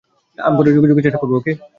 আমি পরে যোগাযোগের চেষ্টা করব, ওকে?